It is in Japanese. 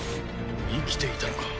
生きていたのか。